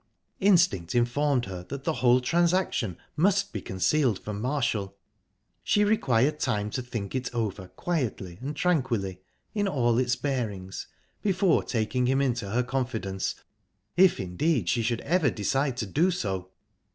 Instinct informed her that the whole transaction must be concealed from Marshall. She required time to think it over quietly and tranquilly, in all its bearings, before taking him into her confidence if, indeed, she should ever decide to do so.